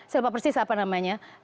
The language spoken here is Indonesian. saya lupa persis apa namanya